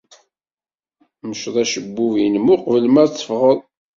Mceḍ acebbub-nnem uqbel ma teffɣed.